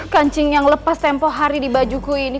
kancing yang lepas tempoh hari di bajuku ini